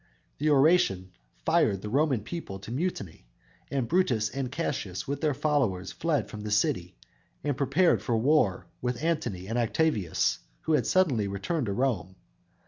"_ This oration fired the Roman people to mutiny, and Brutus and Cassius with their followers fled from the city and prepared for war with Antony and Octavius, who had suddenly returned to Rome.